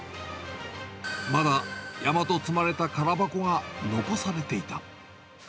まだ山と積まれた空箱が残されていた。